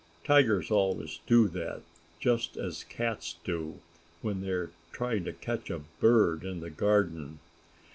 Tigers always do that, just as cats do when they are trying to catch a bird in the garden.